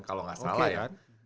kalau gak salah ya